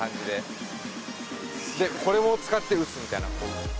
これを使って打つみたいな。